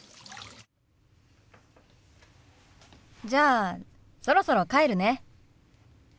じゃそろそろ帰るね。